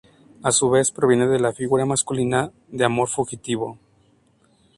A su vez, proviene de la figura masculina de amor fugitivo.